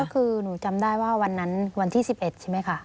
คือหนูจำได้ว่าวันนั้นวันที่๑๑ใช่ไหมคะ